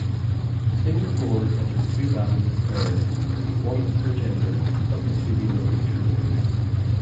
Singapore entered two badminton players (one per gender) into the Olympic tournament.